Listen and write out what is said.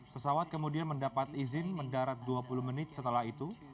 pesawat kemudian mendapat izin mendarat dua puluh menit setelah itu